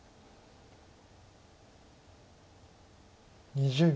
２０秒。